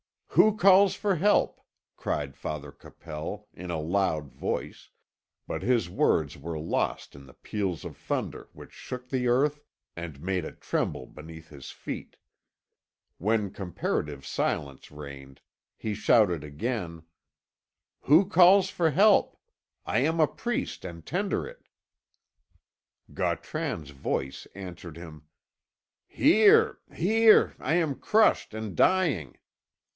"Who calls for help?" cried Father Capel, in a loud voice, but his words were lost in the peals of thunder which shook the earth and made it tremble beneath his feet. When comparative silence reigned, he shouted again: "Who calls for help? I am a priest, and tender it." Gautran's voice answered him: "Here here! I am crushed and dying!"